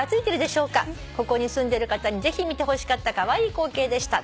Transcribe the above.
「ここに住んでる方にぜひ見てほしかったカワイイ光景でした」